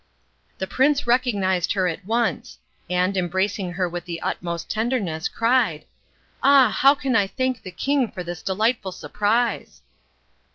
The prince recognised her at once, and, embracing her with the utmost tenderness, cried, "Ah, how can I thank the king for this delightful surprise?"